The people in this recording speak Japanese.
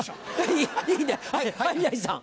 いいねはい宮治さん。